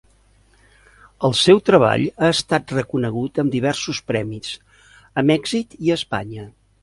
El seu treball ha estat reconegut amb diversos premis a Mèxic i Espanya.